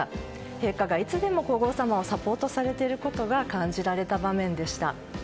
陛下がいつでも皇后さまをサポートされていることが感じられた場面でした。